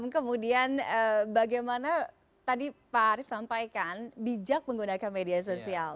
kemudian bagaimana tadi pak arief sampaikan bijak menggunakan media sosial